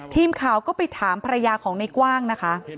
ทีมข่าวก็ไปถามภรรยาของในกว้างนะคะ